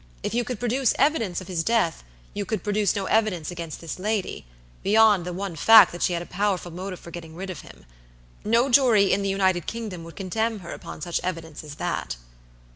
If you could produce evidence of his death, you could produce no evidence against this lady, beyond the one fact that she had a powerful motive for getting rid of him. No jury in the United Kingdom would condemn her upon such evidence as that."